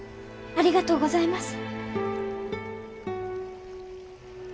ありがとうございます。